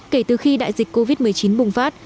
kể từ khi đại dịch covid một mươi chín bùng phát